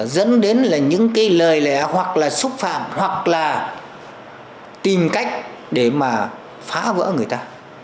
dẫn đến là những cái lời lẽ hoặc là xúc phạm hoặc là tìm cách để mà phá vỡ người ta